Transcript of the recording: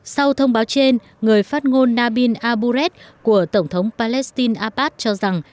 sau thông báo trên người phát ngôn nabin abuet của tổng thống palestine abbas cho rằng